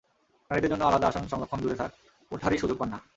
নারীদের জন্য আলাদা আসন সংরক্ষণ দূরে থাক, ওঠারই সুযোগ পান না।